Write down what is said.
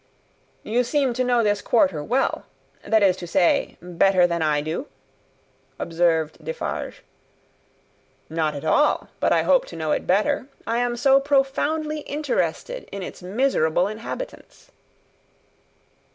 "You seem to know this quarter well; that is to say, better than I do?" observed Defarge. "Not at all, but I hope to know it better. I am so profoundly interested in its miserable inhabitants."